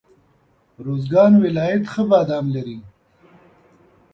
روزګان ولایت ښه بادام لري.